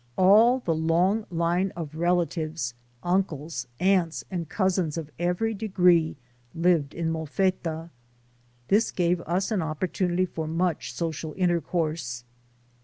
All the long line of relatives, uncles, aunts and cousins of every degree lived in Molfetta. This gave us an opportunity for much social intercourse.